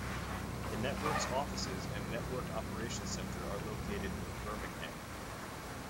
The network's offices and network operations center are located in Birmingham.